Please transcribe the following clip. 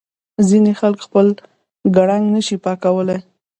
ځینې خلک خپل ګړنګ نه شي پاکولای.